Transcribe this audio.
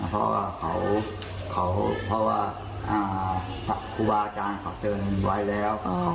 เพราะว่าครูวาอาจารย์เขาเจอหนึ่งวัยแล้ว